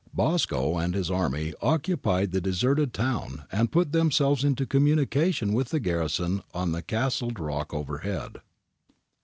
^ Bosco and his army occupied the deserted town and put themselves into communication with the garrison on the castled rock overhead.